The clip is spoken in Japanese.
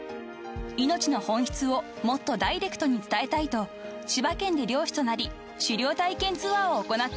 ［命の本質をもっとダイレクトに伝えたいと千葉県で猟師となり狩猟体験ツアーを行っています］